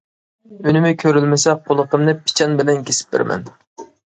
ئۈنۈمى كۆرۈلمىسە قۇلىقىمنى پىچان بىلەن كېسىپ بېرىمەن.